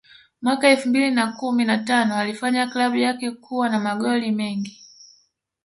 Mwaka elfu mbili na kumi na tano alifanya klabu yake kuwa na magori mengi